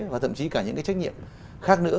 và thậm chí cả những cái trách nhiệm khác nữa